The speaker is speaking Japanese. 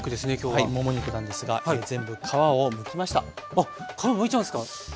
あっ皮むいちゃうんですか？